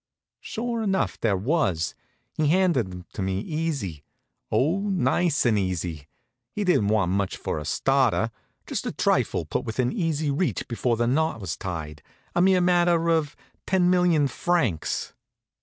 Sure enough, there was. He handed 'em to me easy; oh, nice and easy! He didn't want much for a starter just a trifle put within easy reach before the knot was tied, a mere matter of ten million francs.